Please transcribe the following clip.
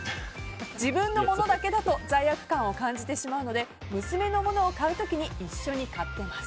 自分のものだけだと罪悪感を感じてしまうので娘のものを買う時に一緒に買っています。